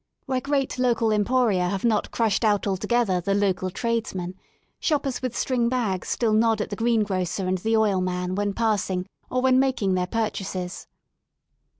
Where great local emporia have not crushed out altogether the local tradesman/' shoppers with string bags still nod at the greengrocer and the oilman when passing or when making their purchases.